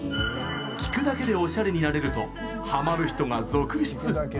聴くだけでおしゃれになれるとハマる人が続出。